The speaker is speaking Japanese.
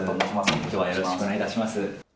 きょうはよろしくお願いいたします。